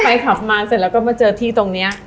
ไปขับแท็กซี่เหรอพี่เมธี